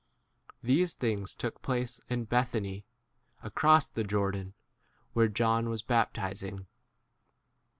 These things took place in Bethany, 1 across the Jordan, where John was baptizing.